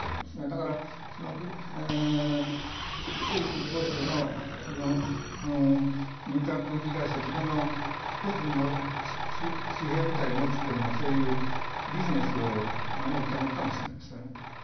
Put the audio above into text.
だから、ショイグ国防相が民間軍事会社で自分の個人の私兵部隊を持つというのをそういうビジネスを守るためかもしれません。